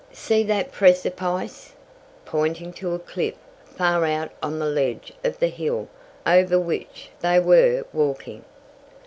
See that precipice?" pointing to a cliff far out on the ledge of the hill over which they were walking.